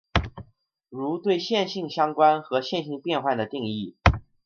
如对线性相关和线性变换的定义。